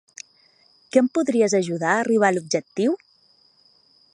Que em podries ajudar a arribar a l'objectiu?